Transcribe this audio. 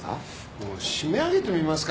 もう締め上げてみますか？